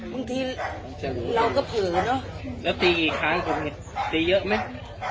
บางทีเราก็เผลอเนอะแล้วตีกี่ครั้งผมเนี่ยตีเยอะไหม